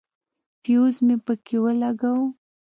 فيوز مې پکښې ولګاوه.